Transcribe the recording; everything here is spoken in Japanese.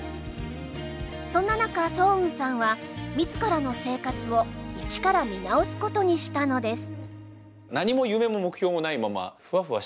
そんな中双雲さんは自らの生活を一から見直すことにしたのです。